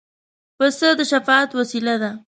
پسه د شفاعت وسیله ده.